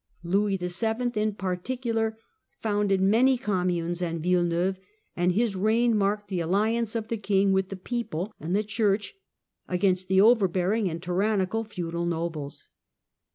Louis VII., in particular, founded many communes and villes neuves, and his reign marked the alliance of the king with the people and the Church against the overbearing and tyrannical feudal nobles.